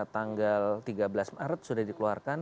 tanggal tiga belas maret sudah dikeluarkan